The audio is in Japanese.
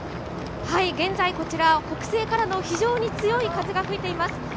現在、こちら北西からの非常に強い風が吹いています。